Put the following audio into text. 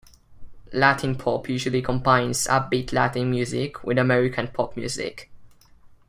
Latin pop usually combines upbeat Latin music with American pop music.